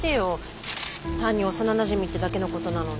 単に幼なじみってだけのことなのに。